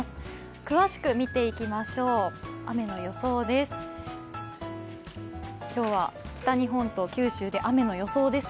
詳しく見ていきましょう、雨の予想です。